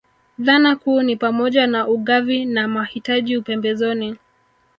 Dhana kuu ni pamoja na ugavi na mahitaji upembezoni